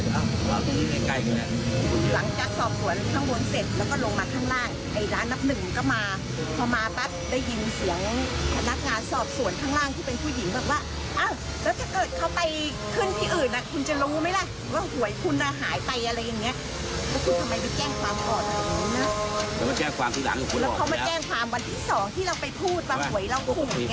สนุนโดยสายการบินไทยนครหัวท้องเสียขับลมแน่นท้องเสียขับลมแน่นท้องเสีย